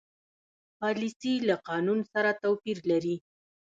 پالیسي له قانون سره توپیر لري.